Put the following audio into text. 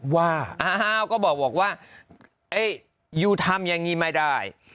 ว่าอ้าวก็บอกว่ายูทำอย่างนี้ไม่ได้